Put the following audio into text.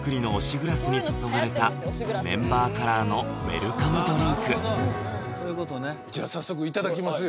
グラスに注がれたメンバーカラーのウェルカムドリンクじゃあ早速いただきますよ